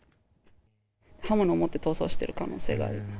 刃物を持って逃走している可能性がある。